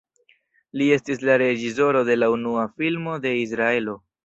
Li estis la reĝisoro de la unua filmo de Izraelo.